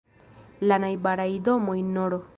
La najbaraj domoj nr.